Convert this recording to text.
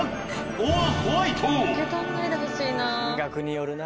受け取んないでほしいな。